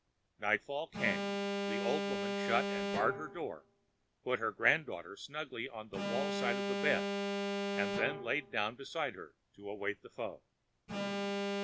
Nightfall came; the old woman shut and barred her door, put her granddaughter snugly on the wall side of the bed, and then lay down beside her, to await the foe.